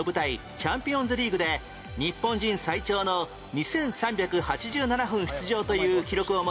チャンピオンズリーグで日本人最長の２３８７分出場という記録を持つ